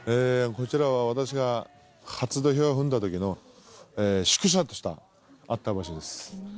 こちらは私が初土俵を踏んだ時の宿舎としたあった場所です。